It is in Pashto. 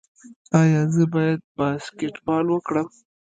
ایا زه باید باسکیټبال وکړم؟